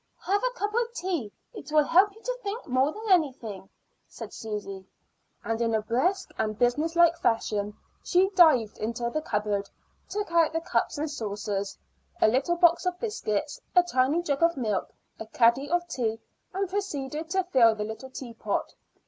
"Have a cup of tea; it will help you to think more than anything," said Susy, and in a brisk and businesslike fashion she dived into the cupboard, took out the cups and saucers, a little box of biscuits, a tiny jug of milk, a caddy of tea, and proceeded to fill the little teapot.